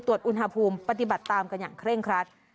ตรวจอุณหภูมิปฏิบัติตามกันอย่างเคร่งครัด